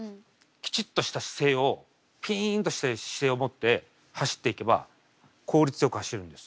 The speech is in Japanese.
きちっとした姿勢をピンとしてる姿勢をもって走っていけば効率よく走れるんです。